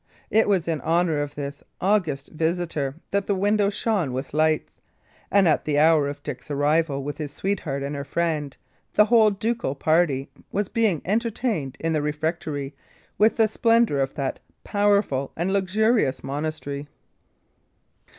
It was in honour of this august visitor that the windows shone with lights; and at the hour of Dick's arrival with his sweetheart and her friend, the whole ducal party was being entertained in the refectory with the splendour of that powerful and luxurious monastery.